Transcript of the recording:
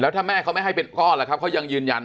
ถ้าแม่เขาไม่ให้เป็นก้อนล่ะครับเขายังยืนยัน